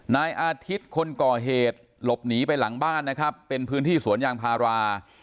นายอาทิตย์คนก่อเหตุหลบหนีไปหลังบ้านนะครับเป็นพื้นที่สวนยางพารา